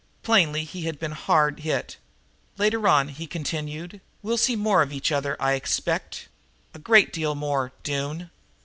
Plainly he had been hard hit. "Later on," he continued, "we'll see more of each other, I expect a great deal more, Doone."